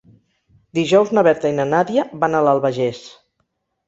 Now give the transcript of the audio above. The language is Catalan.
Dijous na Berta i na Nàdia van a l'Albagés.